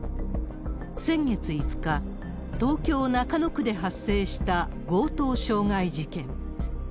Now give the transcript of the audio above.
先月５日、東京・中野区で発生した強盗傷害事件。